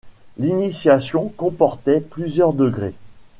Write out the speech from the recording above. L'initiation comportait plusieurs degrés.